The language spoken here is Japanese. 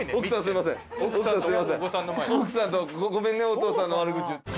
奥さんとごめんねお父さんの悪口。